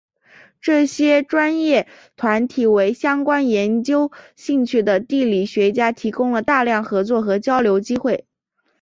这些专业团体为相关研究兴趣的地理学家提供了大量合作和交流机会。